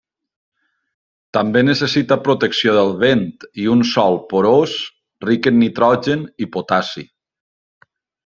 També necessita protecció del vent i un sòl porós ric en nitrogen i potassi.